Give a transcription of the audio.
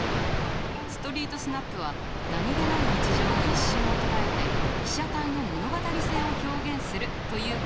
ストリートスナップは何気ない日常の一瞬を捉えて被写体の物語性を表現するということに主眼が置かれているの。